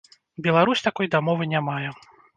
Беларусь такой дамовы не мае.